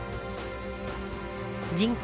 人口